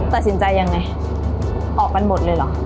ตัดสินใจยังไงออกกันหมดเลยเหรอ